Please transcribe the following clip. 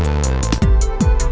gak ada yang nungguin